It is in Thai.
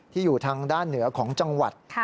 อยู่ทางด้านเหนือของจังหวัด